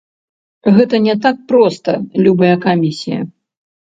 Гэта не так проста, любая камісія.